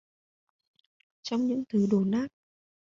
Trong những thứ đổ nát